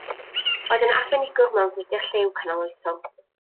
Roedd yn arbenigwr mewn gwydr lliw canoloesol.